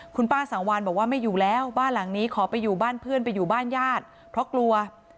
คุณป้าสังวานบอกว่าไม่อยู่แล้วบ้านหลังนี้ขอไปอยู่บ้านเพื่อนไปอยู่บ้านญาติเพราะกลัว